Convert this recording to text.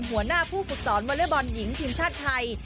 หัวหน้าผู้ฝึกสอนวอเล็กบอลหญิงทีมชาติไทย